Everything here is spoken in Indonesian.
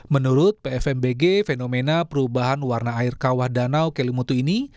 menurut pfmbg fenomena perubahan warna air kawah danau kelimutu ini